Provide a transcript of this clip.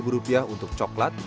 dua ratus rupiah untuk coklat